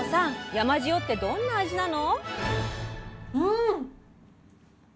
山塩ってどんな味なの？